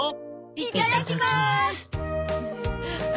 いただきます。